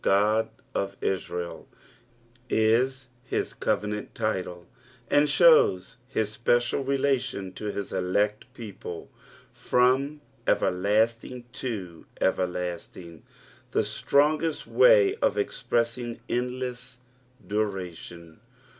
" Ood of Ttrael" is his covenant title, and shows his special reUtioD to his elect people. " From eterliuting artd to ecerloMtiag." The strongest way of expressing endless duration.